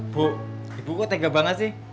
bu ibu tega banget sih